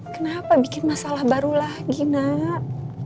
kenapa bikin masalah baru lagi nak